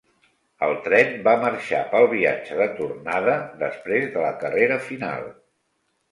El tren va marxar pel viatge de tornada després de la carrera final.